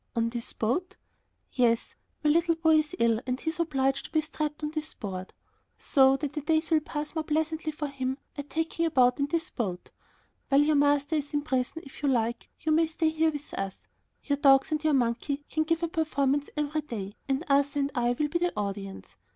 "On this boat?" "Yes, my little boy is ill and he is obliged to be strapped to this board. So that the days will pass more pleasantly for him, I take him about in this boat. While your master is in prison, if you like, you may stay here with us. Your dogs and your monkey can give a performance every day, and Arthur and I will be the audience.